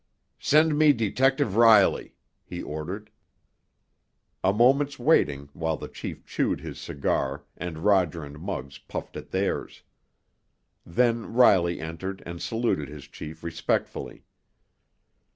"Send me Detective Riley!" he ordered. A moment's waiting, while the chief chewed his cigar and Roger and Muggs puffed at theirs. Then Riley entered and saluted his chief respectfully.